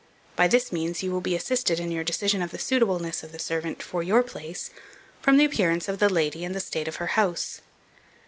By this means you will be assisted in your decision of the suitableness of the servant for your place, from the appearance of the lady and the state of her house.